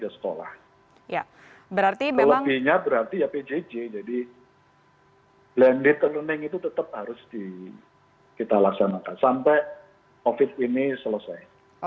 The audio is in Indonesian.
sampai covid sembilan belas ini selesai